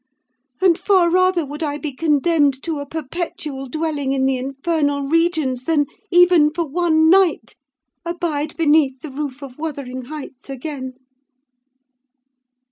And far rather would I be condemned to a perpetual dwelling in the infernal regions than, even for one night, abide beneath the roof of Wuthering Heights again."